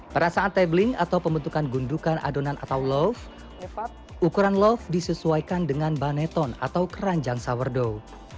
pada saat tabling atau pembentukan gundukan adonan atau love ukuran love disesuaikan dengan baneton atau keranjang sourdow